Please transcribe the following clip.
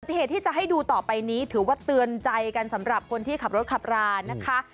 เหตุที่จะให้ดูต่อไปนี้ถือว่าเตือนใจกันสำหรับคนที่ขับรถขับรานะคะ